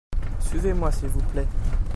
suivez-moi s'il vous plait.